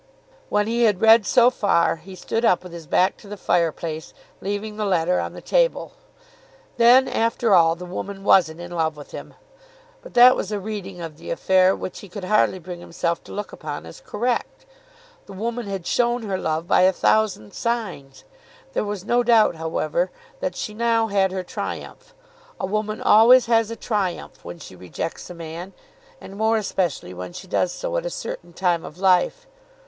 When he had read so far he stood up with his back to the fire place, leaving the letter on the table. Then, after all, the woman wasn't in love with him! But that was a reading of the affair which he could hardly bring himself to look upon as correct. The woman had shown her love by a thousand signs. There was no doubt, however, that she now had her triumph. A woman always has a triumph when she rejects a man, and more especially when she does so at a certain time of life.